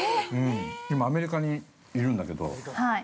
◆今アメリカにいるんだけど。